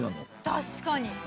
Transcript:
確かに。